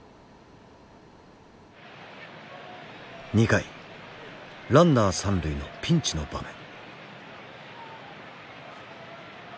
２回ランナー三塁のピンチの場面。